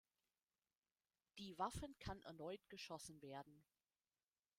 Die Waffen kann erneut geschossen werden.